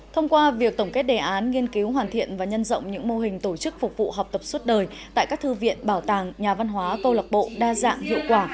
thông qua việc tổng kết đề án nghiên cứu hoàn thiện và nhân rộng những mô hình tổ chức phục vụ học tập suốt đời tại các thư viện bảo tàng nhà văn hóa câu lạc bộ đa dạng hiệu quả